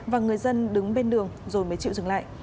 và người dân đứng bên đường rồi mới chịu dừng lại